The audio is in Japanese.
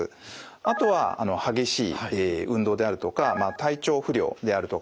あとは激しい運動であるとか体調不良であるとかですね